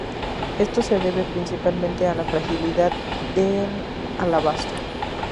Esto se debe principalmente a la fragilidad del alabastro.